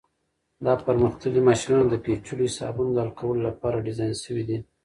دا پرمختللي ماشینونه د پیچلو حسابونو د حل کولو لپاره ډیزاین شوي دي.